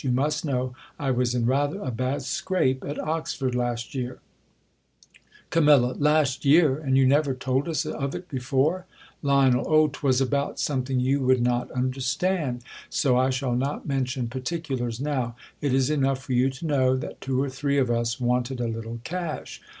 You must know I w^as in rather a bad scrape at Oxford last year Cam, Last year ! and you never told us of it before ! Lion, O, 'twas about something you would not un derstand ; so I shall not mention particulars now. It is enough for you to know, that two or three of us wanted a litde cash